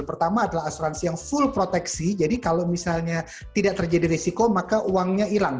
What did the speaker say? pertama adalah asuransi yang full proteksi jadi kalau misalnya tidak terjadi risiko maka uangnya hilang